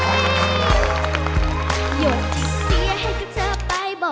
ต่อจากที่เสียให้กับเธอไป